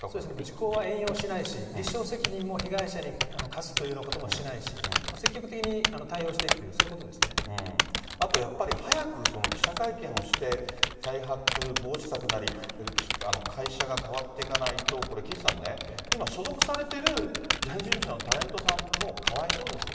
時効は援用しないし、立証責任も被害者に課すということもしないし、積極的に対応してあとやっぱり、早く記者会見をして、再発防止策なり、会社が変わっていかないと、これ、岸さんね、今、所属されてるジャニーズ事務所のタレントさんもかわいそうですよ